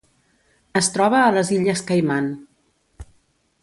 Es troba a les Illes Caiman.